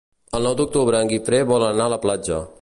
El nou d'octubre en Guifré vol anar a la platja.